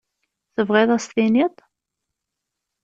Tebɣiḍ ad as-tiniḍ?